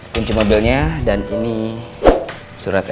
kunci mobilnya dan ini surat snk